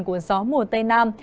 của gió mùa tây nam